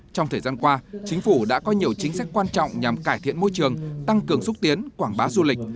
trong thời gian qua chính phủ đã có nhiều chính sách quan trọng nhằm cải thiện môi trường tăng cường xúc tiến quảng bá du lịch